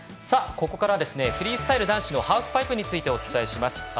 ここからフリースタイル男子ハーフパイプについてお伝えします。